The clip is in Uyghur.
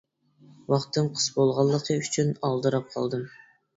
ۋاقتىم قىس بولغانلىقى ئۈچۈن ئالدىراپ قالدىم.